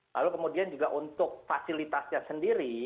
lalu kemudian juga untuk fasilitasnya sendiri